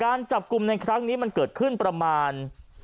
การจับกลุ่มในครั้งนี้มันเกิดขึ้นประมาณ